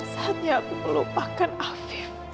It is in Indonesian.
saatnya aku melupakan afif